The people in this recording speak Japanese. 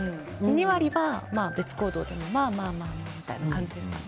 ２割は別行動でもまあまあみたいな感じですかね。